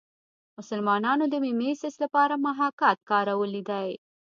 مسلمانانو د میمیسیس لپاره محاکات کارولی دی